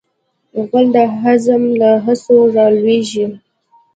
غول د هضم له هڅو راولاړیږي.